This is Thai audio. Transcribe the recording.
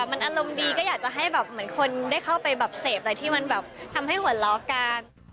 มันอารมณ์ดีก็อยากจะให้แบบเหมือนคนได้เข้าไปแบบเสพอะไรที่มันแบบทำให้หัวเราะกัน